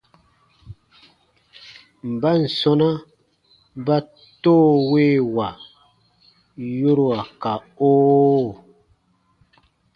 Mban sɔ̃na ba “toowewa” yorua ka “oo”?